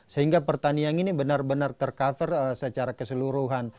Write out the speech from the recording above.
sehingga pertanian ini benar benar tercover secara keseluruhan